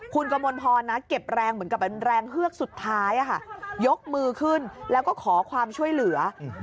คุณกมลพรนะเก็บแรงเหมือนกับเป็นแรงเฮือกสุดท้ายยกมือขึ้นแล้วก็ขอความช่วยเหลือ